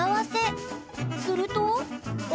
すると。